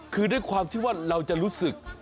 คือด้วยความที่ว่าเราจะรู้สึก